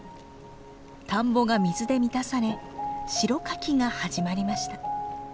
田んぼが水で満たされ代かきが始まりました。